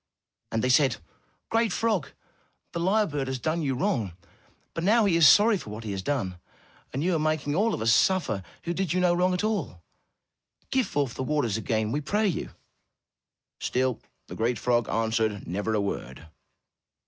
And they said: "Great frog, the lyre bird has done you wrong, but now he is sorry for what he has done, and you are making all of us suffer who did you no wrong at all. Give forth the waters again, we pray you.'' Still the great frog answered never a word.